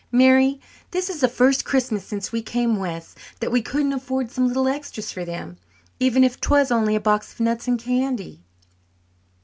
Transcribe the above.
Mary, this is the first Christmas since we came west that we couldn't afford some little extras for them, even if 'twas only a box of nuts and candy."